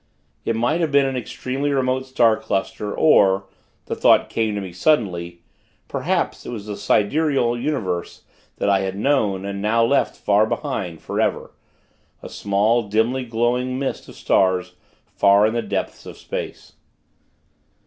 It might have been an extremely remote star cluster; or the thought came to me suddenly perhaps it was the sidereal universe that I had known, and now left far behind, forever a small, dimly glowing mist of stars, far in the depths of space.